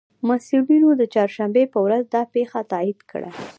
مسئولینو د چهارشنبې په ورځ دا پېښه تائید کړه